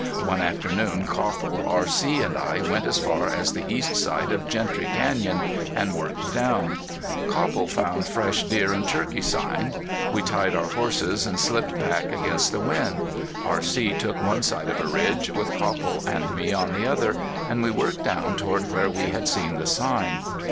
One afternoon Copple, R.C., and I went as far as the east side of Gentry Canyon and worked down. Copple found fresh deer and turkey sign. We tied our horses, and slipped back against the wind. R.C. took one side of a ridge, with Copple and me on the other, and we worked down toward where we had seen the sign.